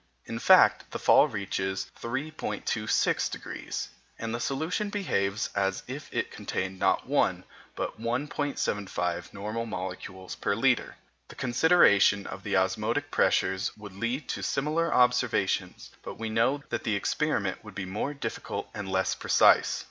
In fact, the fall reaches 3.26°, and the solution behaves as if it contained, not 1, but 1.75 normal molecules per litre. The consideration of the osmotic pressures would lead to similar observations, but we know that the experiment would be more difficult and less precise.